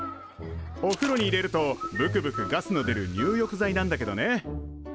おふろに入れるとぶくぶくガスの出る入浴剤なんだけどね